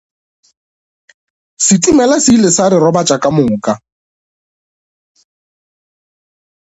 Setimela se ile sa re robatša ka moka.